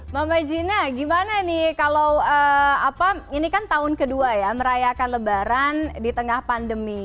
mama gina gimana nih kalau ini kan tahun kedua ya merayakan lebaran di tengah pandemi